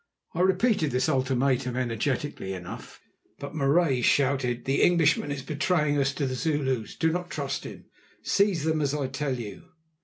I repeated this ultimatum energetically enough, but Marais shouted: "The Englishman is betraying us to the Zulus! Do not trust him; seize them as I tell you."